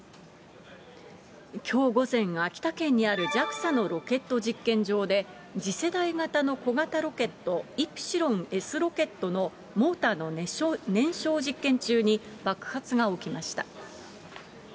きょう午前、秋田県にあるＪＡＸＡのロケット実験場で、次世代型の小型ロケット、イプシロンＳロケットのモーターの燃焼実験中に、爆発が起きました。